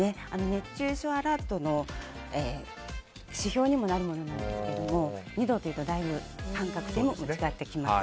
熱中症アラートの指標にもなるものなんですが２度といったらだいぶ感覚で変わってきます。